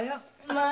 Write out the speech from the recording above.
まあ！